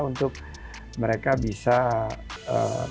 untuk mereka bisa naik kelas